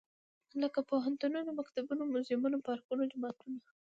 لکه پوهنتونه ، مکتبونه موزيمونه، پارکونه ، جوماتونه.